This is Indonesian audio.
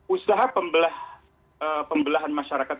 jadi usaha pembelahan masyarakat